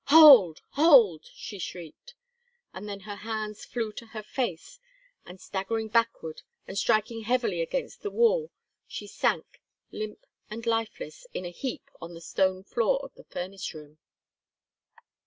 "Hold! Hold!" she shrieked, and then her hands flew to her face, and staggering backward and striking heavily against the wall, she sank, limp and lifeless, in a heap on the stone floor of the furnace room.